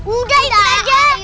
udah itu aja